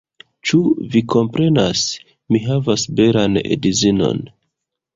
Ĉu vi komprenas? Mi havas belan edzinon